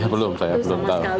belum saya belum tahu